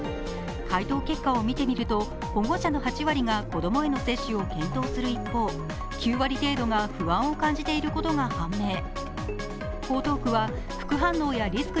回答結果を見てみると、保護者の８割が子供への接種を検討する一方、９割程度が不安を感じていることが判明。